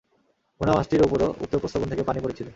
ভুনা মাছটির উপরও উক্ত প্রস্রবণ থেকে পানি পড়েছিল।